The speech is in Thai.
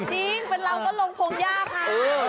จริงเป็นเราก็ลงพงยากค่ะ